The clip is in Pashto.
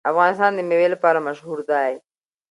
افغانستان د مېوې لپاره مشهور دی.